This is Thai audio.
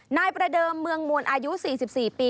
นายประเดิมเมืองมวลอายุ๔๔ปี